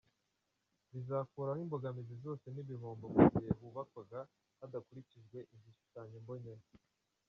Bizakuraho imbogamizi zose n’ibihombo mu gihe hubakwaga hadakurikijwe igishushanyombonera.